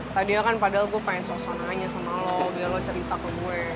tadi kan padahal gue pengen soal soal nanya sama lo biar lo cerita ke gue